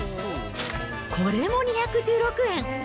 これも２１６円。